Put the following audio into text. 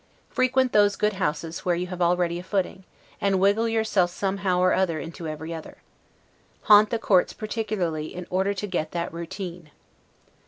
Frequent those good houses where you have already a footing, and wriggle yourself somehow or other into every other. Haunt the courts particularly in order to get that ROUTINE.